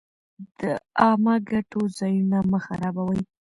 د عامه ګټو ځایونه مه خرابوئ.